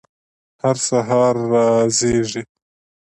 هر سهار را زیږي